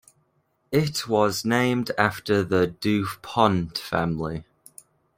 It was named after the Du Pont family.